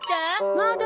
まだ。